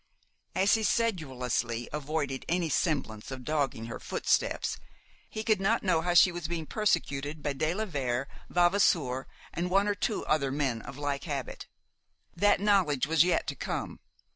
As he sedulously avoided any semblance of dogging her footsteps, he could not know how she was being persecuted by de la Vere, Vavasour, and one or two other men of like habit. That knowledge was yet to come.